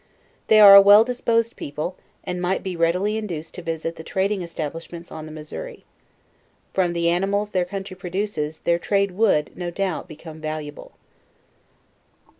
They are a well disposed people, and might be readily induced to visit the trading establishments on the Missouri. From the animals their country produces, their trade would, no doubt, become valuable.